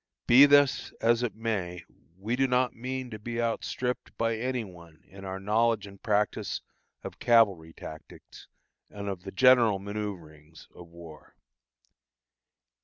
Be this as it may, we do not mean to be outstripped by any one in our knowledge and practice of cavalry tactics, and of the general manoeuvrings of war.